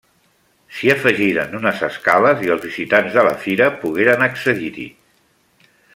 S'hi afegiren unes escales i els visitants de la Fira pogueren accedir-hi.